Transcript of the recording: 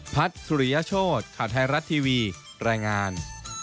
สุริยโชธข่าวไทยรัฐทีวีรายงาน